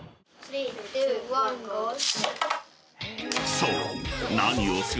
［そう］